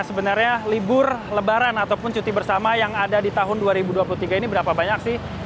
sebenarnya libur lebaran ataupun cuti bersama yang ada di tahun dua ribu dua puluh tiga ini berapa banyak sih